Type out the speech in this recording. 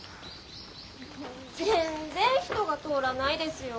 全然人が通らないですよ。